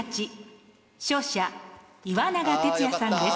勝者岩永徹也さんです。